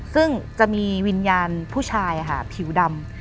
ซึ่งจะมีวิญญาณผู้ชายค่ะผิวดำ